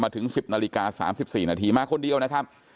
ถึง๑๐นาฬิกา๓๔นาทีมาคนเดียวนะครับ